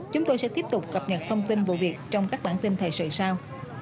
chúng tôi sẽ tiếp tục cập nhật thông tin vụ việc trong các bản tin thời sự sau